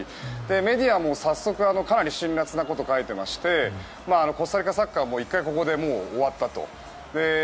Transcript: メディアも早速かなり辛らつなことを書いてましてコスタリカサッカーは１回ここで終わったと。